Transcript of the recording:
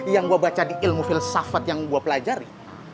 yang gue baca di ilmu filsafat yang gue pelajari